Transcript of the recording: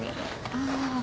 ああ。